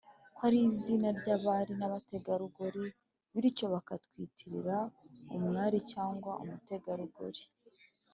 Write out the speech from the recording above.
ko ari izina ry abari n abategarugori bityo bakamwitirira umwari cyangwa umutegarugori